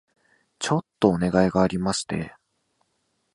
ちょっとお願いがありまして